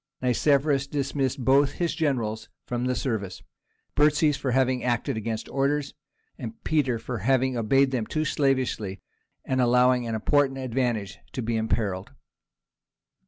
Nicephorus dismissed both his generals from the service—Burtzes for having acted against orders, Peter for having obeyed them too slavishly, and allowing an important advantage to be imperilled.